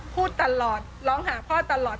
พูดตลอดร้องหาพ่อตลอด